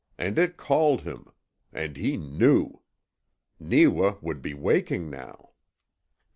It called him. And he KNEW! NEEWA WOULD BE WAKING NOW!